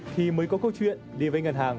khi mới có câu chuyện đi với ngân hàng